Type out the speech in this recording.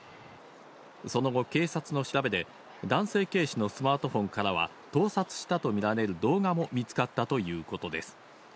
その後、警察の調べで男性警視のスマートフォンからは盗撮したとみられる動画も見つかったということです。